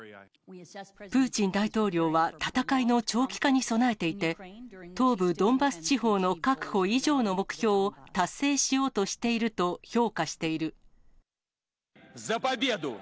プーチン大統領は戦いの長期化に備えていて、東部ドンバス地方の確保以上の目標を達成しようとしていると評価している。